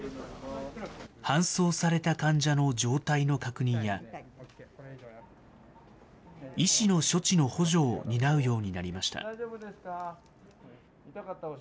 搬送された患者の状態の確認や、医師の処置の補助を担うようになりました。